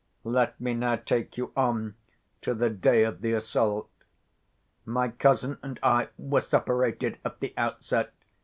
Let me now take you on to the day of the assault. My cousin and I were separated at the outset.